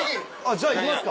じゃあ行きますか。